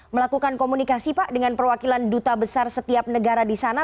melakukan komunikasi pak dengan perwakilan duta besar setiap negara di sana